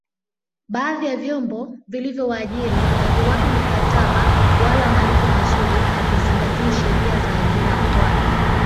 baadhi ya vyombo vilivyowaajiri haviwapi mikataba wala malipo mazuri havizingatii sheria za ajira kwa